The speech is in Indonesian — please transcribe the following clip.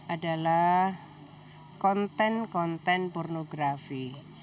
adalah konten konten pornografi